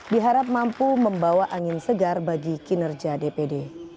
diharap mampu membawa angin segar bagi kinerja dpd